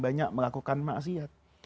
banyak melakukan mahasiat